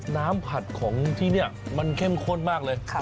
ผัดของที่นี่มันเข้มข้นมากเลย